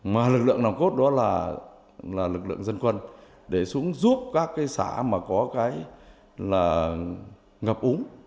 mà lực lượng nòng cốt đó là lực lượng dân quân để xuống giúp các cái xã mà có cái là ngập úng